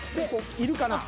いるかな？